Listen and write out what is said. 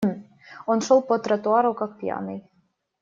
Он шел по тротуару как пьяный.